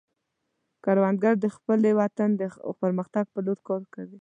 کروندګر د خپل وطن د پرمختګ په لور کار کوي